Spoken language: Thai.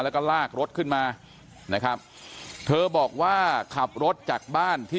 แล้วก็ลากรถขึ้นมานะครับเธอบอกว่าขับรถจากบ้านที่